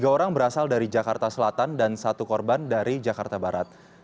tiga orang berasal dari jakarta selatan dan satu korban dari jakarta barat